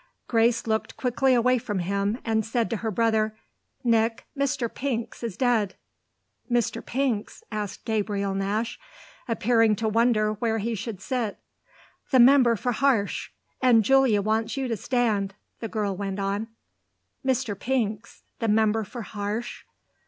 Grace looked quickly away from him and said to her brother: "Nick, Mr. Pinks is dead." "Mr. Pinks?" asked Gabriel Nash, appearing to wonder where he should sit. "The member for Harsh; and Julia wants you to stand," the girl went on. "Mr. Pinks, the member for Harsh?